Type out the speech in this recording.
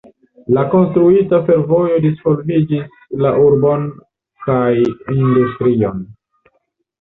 La konstruita fervojo disvolviĝis la urbon kaj industrion.